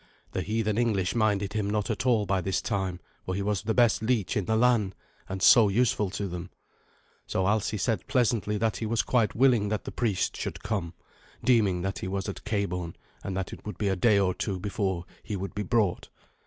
The heathen English minded him not at all by this time, for he was the best leech in the land, and so useful to them. So Alsi said pleasantly that he was quite willing that the priest should come, deeming that he was at Cabourn, and that it would be a day or two before he would be brought.